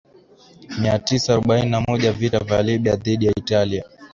Mia Tisa arubaini na moja Vita vya Libya dhidi ya Italia